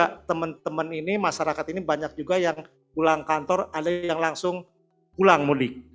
karena teman teman ini masyarakat ini banyak juga yang pulang kantor ada yang langsung pulang mudik